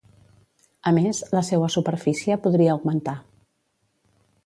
A més, la seua superfície podria augmentar.